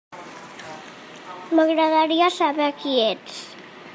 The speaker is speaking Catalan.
M'agradaria saber qui ets.